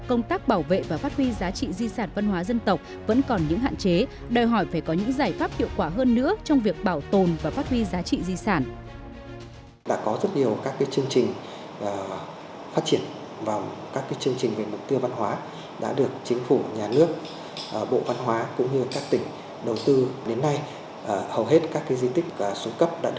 công tác bảo vệ và phát huy giá trị di sản văn hóa dân tộc vẫn còn những hạn chế đòi hỏi phải có những giải pháp tiệu quả hơn nữa trong việc bảo tồn và phát huy giá trị di sản